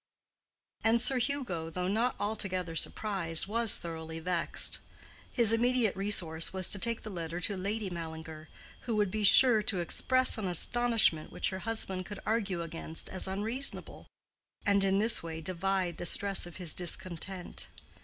And Sir Hugo, though not altogether surprised, was thoroughly vexed. His immediate resource was to take the letter to Lady Mallinger, who would be sure to express an astonishment which her husband could argue against as unreasonable, and in this way divide the stress of his discontent.